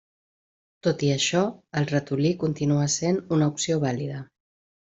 Tot i això, el ratolí continua sent una opció vàlida.